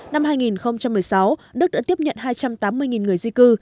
năm hai nghìn một mươi sáu đức đã tiếp nhận hai trăm tám mươi người di cư